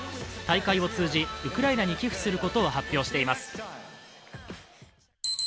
大会を通じ、ウクライナに寄付することを発表しています。